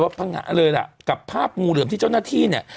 พังงะเลยล่ะกับภาพงูเหลือมที่เจ้าหน้าที่เนี่ย